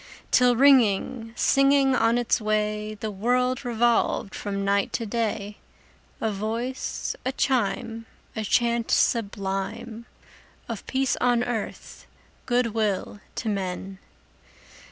Till, ringing, singing on its way, The world revolved from night to day, A voice, a chime, A chant sublime Of peace on earth, good will to men!